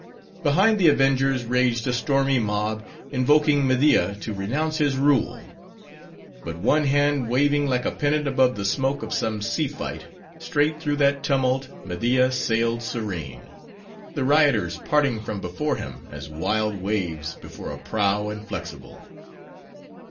Behind the avengers, raged a stormy mob, invoking Media to renounce his rule. But one hand waving like a pennant above the smoke of some sea fight, straight through that tumult Media sailed serene: the rioters parting from before him, as wild waves before a prow inflexible.